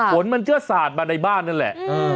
ฝนมันก็สาดมาในบ้านนั่นแหละ